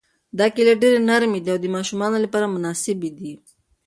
دا کیلې ډېرې نرمې دي او د ماشومانو لپاره مناسبې دي.